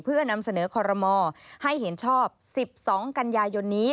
เพื่อนำเสนอคอรมอให้เห็นชอบ๑๒กันยายนนี้